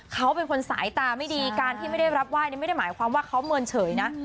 เขาเป็นคนสายตาไม่ดีการที่ไม่ได้รับไหว้ไม่ได้หมายความว่าเขาเมินเฉยนะ